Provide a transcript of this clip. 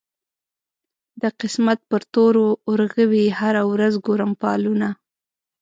د قسمت پر تور اورغوي هره ورځ ګورم فالونه